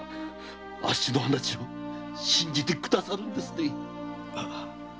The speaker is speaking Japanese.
あっしの話を信じてくださるんですね。